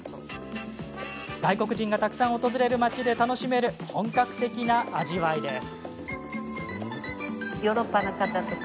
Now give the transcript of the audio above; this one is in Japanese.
外国人がたくさん訪れる町で楽しめる、本格的な味わいです。